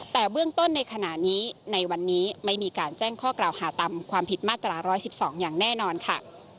แต่เบื้องต้นในขณะนี้ในวันนี้ไม่มีการแจ้งข้อกล่าวหาตามความผิดมาตรา๑๑๒อย่างแน่นอนค่ะ